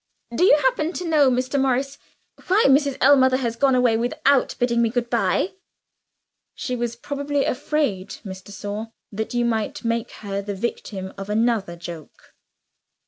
"Do you happen to know, Mr. Morris, why Mrs. Ellmother has gone away without bidding me good by?" "She was probably afraid, Miss de Sor, that you might make her the victim of another joke."